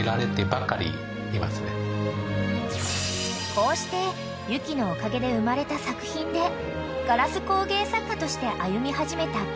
［こうして雪のおかげで生まれた作品でガラス工芸作家として歩み始めた可夜さん］